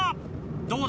どうだ？